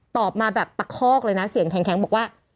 ตอบมาแบบตะคอกเลยนะเสียงแข็งบอกว่า